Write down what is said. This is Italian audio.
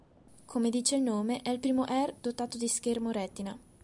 Come dice il nome, è il primo Air dotato di schermo Retina.